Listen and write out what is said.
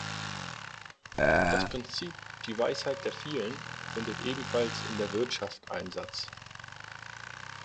Das Prinzip „Die Weisheit der Vielen“ findet ebenfalls in der Wirtschaft Einsatz.